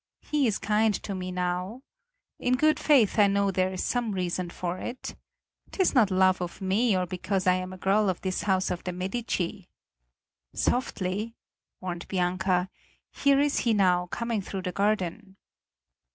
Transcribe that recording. He is kind to me now. In good faith I know there is some reason for it. 'Tis not love of me or because I am a girl of his house of the Medici." "Softly," warned Bianca. "Here is he now coming through the garden."